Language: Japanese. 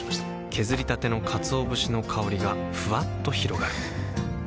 削りたてのかつお節の香りがふわっと広がるはぁ。